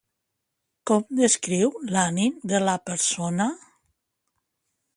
Com descriu l'ànim de la persona?